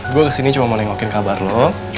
gue kesini cuma mau nengokin kabar lo